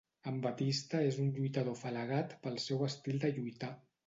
En Batista és un lluitador afalagat pel seu estil de lluitar.